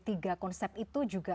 tiga konsep itu juga